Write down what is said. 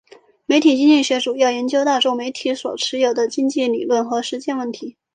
媒体经济学主要研究大众媒体所特有的经济理论和实践问题。